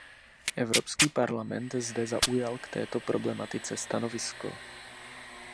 Evropský parlament zde zaujal k této problematice stanovisko.